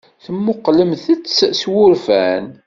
Temmuqqlem-tt s wurfan.